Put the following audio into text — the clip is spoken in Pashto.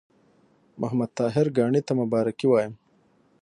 محمد طاهر کاڼي ته مبارکي وایم.